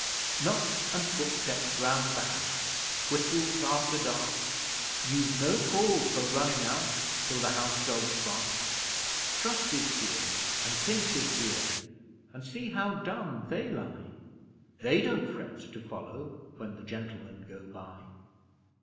Knocks and footsteps round the house whistles after dark You've no call for running out till the house dogs bark. Trusty's here, and Pincher's here, and see how dumb they lie They don't fret to follow when the Gentlemen go by!